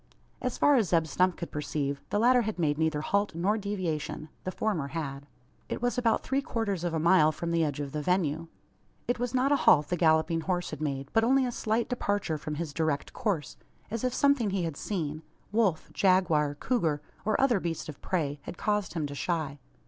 As far as Zeb Stump could perceive, the latter had made neither halt nor deviation. The former had. It was about three quarters of a mile from the edge of the venue. It was not a halt the galloping horse had made, but only a slight departure from his direct course; as if something he had seen wolf, jaguar, cougar, or other beast of prey had caused him to shy.